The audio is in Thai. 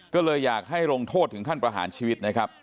ก็เลยอยากให้ลงโทษถึงขั้นประหารชีวิตนะครับ